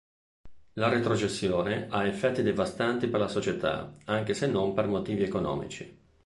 La retrocessione ha effetti devastanti per la società, anche se non per motivi economici.